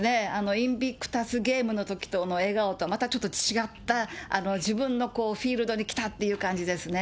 インビクタスゲームのときの笑顔とまたちょっと違った、自分のフィールドに来たという感じですね。